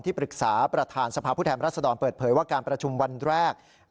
ปรึกษาประธานสภาพผู้แทนรัศดรเปิดเผยว่าการประชุมวันแรก